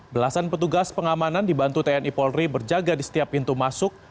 belasan petugas pengamanan dibantu tni polri berjaga di setiap pintu masuk